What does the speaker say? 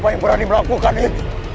siapa yang berani melakukan ini